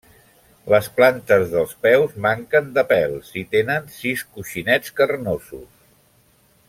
Les plantes dels peus manquen de pèls i tenen sis coixinets carnosos.